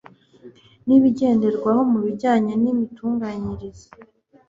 n ibigenderwaho mu bijyanye n imitunganyirize